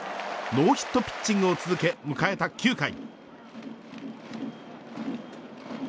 ノーヒットピッチングを続け迎えた９回。